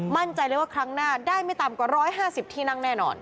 มั่นใจเลยว่าครั้งหน้าได้ไม่ต่ำกว่า๑๕๐ที่นั่งแน่นอน